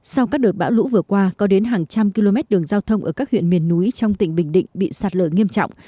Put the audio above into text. sau các đợt bão lũ vừa qua có đến hàng trăm km đường giao thông ở các huyện miền núi trong tỉnh bình định bị sạt lở nghiêm trọng